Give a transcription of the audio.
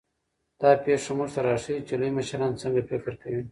دا پېښه موږ ته راښيي چې لوی مشران څنګه فکر کوي.